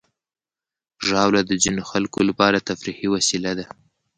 ژاوله د ځینو خلکو لپاره تفریحي وسیله ده.